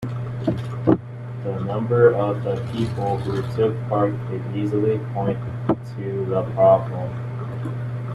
A number of the people who took part could easily point to the problem